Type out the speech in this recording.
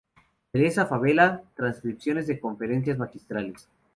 Teresa Favela, Transcripciones de Conferencias Magistrales.